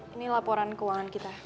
ini laporan keuangan kita